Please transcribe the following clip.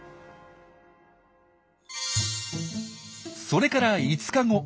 それから５日後。